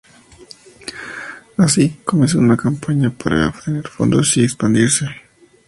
Así, comenzó una campaña para obtener fondos y expandirse.